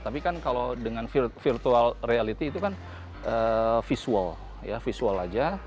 tapi kan kalau dengan virtual reality itu kan visual ya visual aja